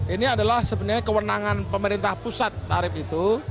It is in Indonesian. ini adalah sebenarnya kewenangan pemerintah pusat tarif itu